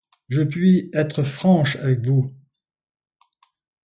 Je puis être franche avec vous.